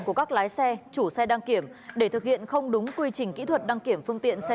của các lái xe chủ xe đăng kiểm để thực hiện không đúng quy trình kỹ thuật đăng kiểm phương tiện xe